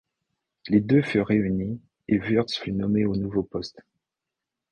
Les deux furent réunies et Wurtz fut nommé au nouveau poste.